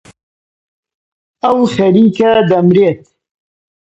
ئەو خەریکە دەمرێت.